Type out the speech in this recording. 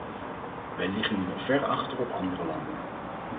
Wij liggen nu al ver achter op andere landen.